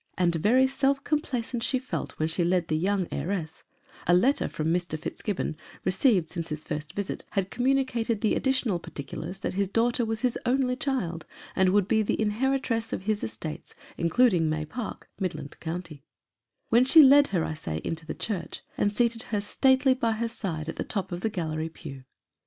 And very self complacent she felt when she led the young heiress (a letter from Mr. Fitzgibbon, received since his first visit, had communicated the additional particulars that his daughter was his only child, and would be the inheritress of his estates, including May Park, Midland County) when she led her, I say, into the church, and seated her stately by her side at the top of the gallery pew.